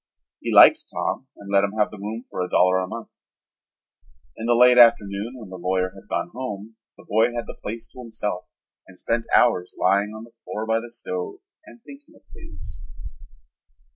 He liked Tom and let him have the room for a dollar a month. In the late afternoon when the lawyer had gone home the boy had the place to himself and spent hours lying on the floor by the stove and thinking of things.